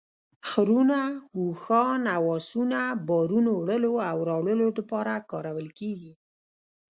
خرونه ، اوښان او اسونه بارونو وړلو او راوړلو دپاره کارول کیږي